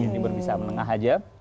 ini berbisa menengah aja